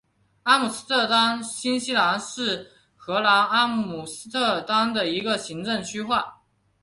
阿姆斯特丹新西区是荷兰阿姆斯特丹的一个行政区划。